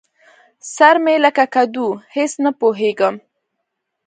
سر مې لکه کدو؛ هېڅ نه پوهېږم.